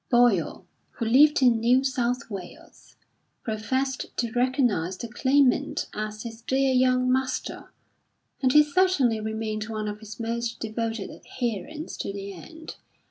Boyle, who lived in New South Wales, professed to recognise the Claimant as his dear young master, and he certainly remained one of his most devoted adherents to the end.